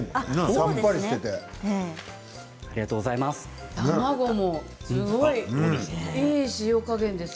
ありがとうございます。